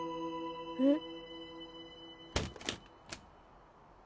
えっ。